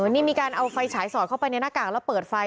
นี่มีการเอาไฟฉายสอดเข้าไปในหน้ากากแล้วเปิดไฟ